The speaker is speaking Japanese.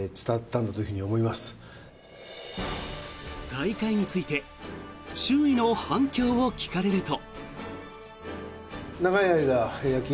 大会について周囲の反響を聞かれると。